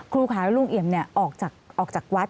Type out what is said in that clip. ครูขายว่าลุงเอี่ยมเนี่ยออกจากวัด